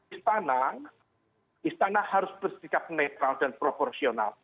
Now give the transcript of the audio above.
istana istana harus bersikap netral dan proporsional